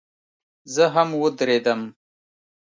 زه هم ودرېدم.